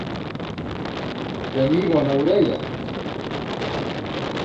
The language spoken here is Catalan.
Tenir bona orella.